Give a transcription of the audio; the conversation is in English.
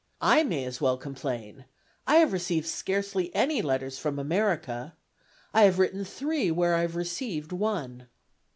I may as well complain. I have received scarcely any letters from America. I have written three where I have received one."